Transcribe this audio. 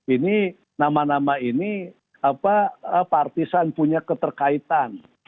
ini nama nama ini partisan punya keterkaitan